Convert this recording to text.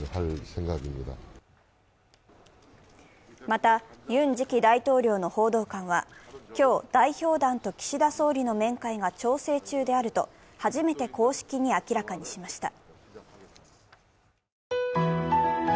また、ユン次期大統領の報道官は今日、代表団と岸田総理の面会が調整中であると初めて公式に明らかにしました。